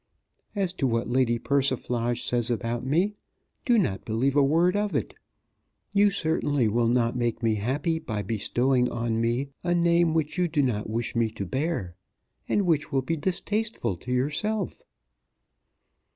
As to what Lady Persiflage says about me, do not believe a word of it. You certainly will not make me happy by bestowing on me a name which you do not wish me to bear, and which will be distasteful to yourself."